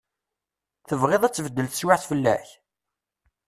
Tebɣiḍ ad tbeddel teswiɛt fell-ak?